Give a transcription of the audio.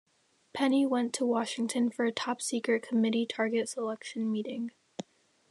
Penney went to Washington for a top secret committee target selection meeting.